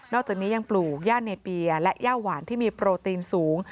อกจากนี้ยังปลูกย่าเนเปียและย่าหวานที่มีโปรตีนสูง